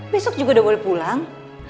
besok juga udah boleh pulang